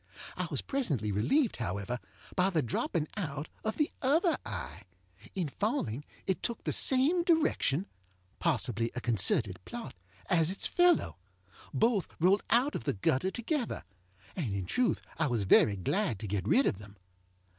I was presently relieved, however, by the dropping out of the other eye. In falling it took the same direction (possibly a concerted plot) as its fellow. Both rolled out of the gutter together, and in truth I was very glad to get rid of them.